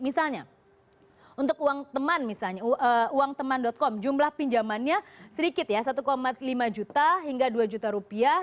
misalnya untuk uangteman misalnya uangteman com jumlah pinjamannya sedikit ya satu lima juta hingga dua juta rupiah